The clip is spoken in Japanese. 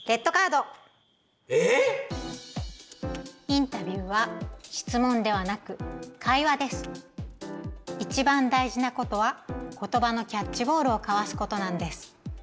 インタビューはいちばん大事なことは言葉のキャッチボールを交わすことなんです。